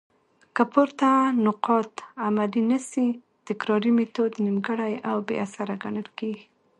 که پورته نقاط عملي نه سي؛ تکراري ميتود نيمګړي او بي اثره ګڼل کيږي.